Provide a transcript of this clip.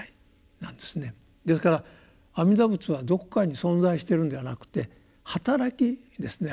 ですから阿弥陀仏はどこかに存在してるんではなくて働きですね。